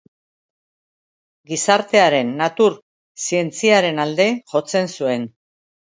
Gizartearen natur zientziaren alde jotzen zuen.